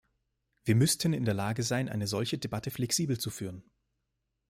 Wir müssten in der Lage sein, eine solche Debatte flexibel zu führen!